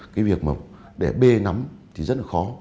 cái việc mà để bê nắm thì rất là khó